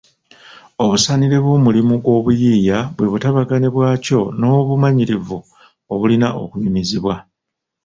Obusaanire bw’omulimu gw’obuyiiya bwe butabagane bwakyo n’obumanyirivu obulina okunyumizibwa